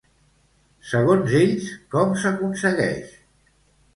Segons ells, com s'aconsegueix?